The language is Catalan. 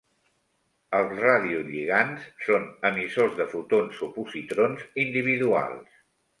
Els radiolligands són emissors de fotons o positrons individuals.